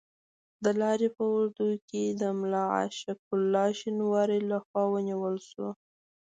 د لارې په اوږدو کې د ملا عاشق الله شینواري له خوا ونیول شو.